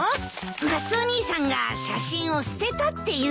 マスオ兄さんが写真を捨てたって言うから。